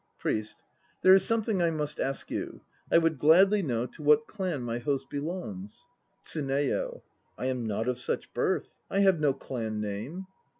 PRIEST. There is something I must ask you: I would gladly know to what clan my host belongs. TSUNEYO. I am not of such birth; I have no clan name.